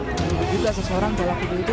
ada juga seseorang dalam video itu